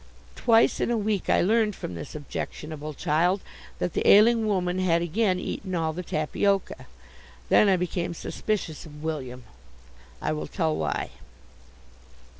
Twice in a week I learned from this objectionable child that the ailing woman had again eaten all the tapioca. Then I became suspicious of William. I will tell why.